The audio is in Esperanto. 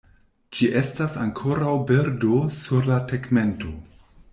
Ĝi estas ankoraŭ birdo sur la tegmento.